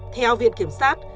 theo viện kiểm sát